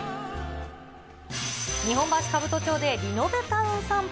日本橋兜町でリノベタウンさんぽ。